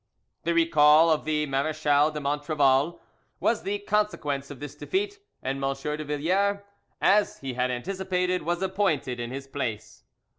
The recall of the Marechal de Montrevel was the consequence of this defeat, and M. de Villars, as he had anticipated, was appointed in his place.